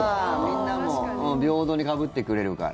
みんなも平等にかぶってくれるから。